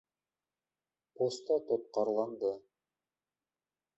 Поста тотҡарланды.